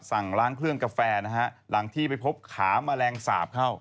สั่งล้างเครื่องกาแฟนะฮะหลังที่ไปพบขาแมลงสาปเข้า